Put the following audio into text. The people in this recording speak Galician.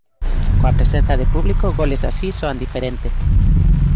Coa presenza de público, goles así soan diferente.